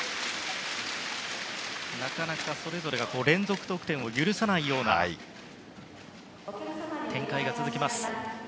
なかなか、それぞれが連続得点を許さない展開が続きます。